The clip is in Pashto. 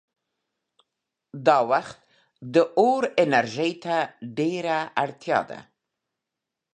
اوس وخت د اور انرژۍ ته ډېره اړتیا ده.